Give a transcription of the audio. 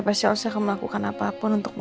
ya pasti elsa yang melakukan apapun untuk mama